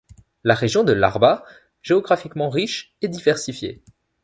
La région de Larbaâ géographiquement riche et diversifiée.